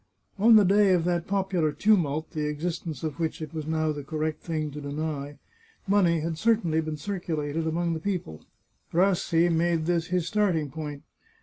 On the day of that popular tumult, the existence of which it was now the correct thing to deny, money had certainly been circulated among the people, Rassi made this his starting point.